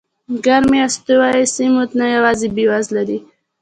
ګرمې استوایي سیمې نه یوازې بېوزله دي.